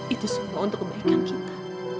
itu semua untuk kebaikan kita